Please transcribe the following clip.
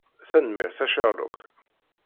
Tanemmirt a Sherlock.